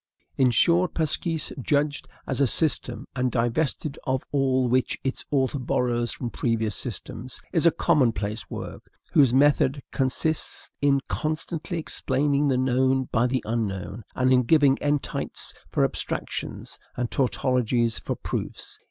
In short, "L'Esquisse," judged as a system, and divested of all which its author borrows from previous systems, is a commonplace work, whose method consists in constantly explaining the known by the unknown, and in giving entites for abstractions, and tautologies for proofs.